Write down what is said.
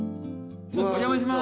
お邪魔します。